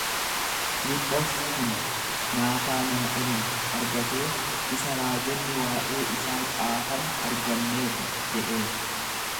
Filiphos kun Naataanaa'elin argatee, Isa raajonni waa'ee isaa caafan arganneerra jedheen.